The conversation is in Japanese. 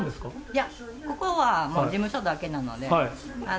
いや、ここはもう、事務所だけなので。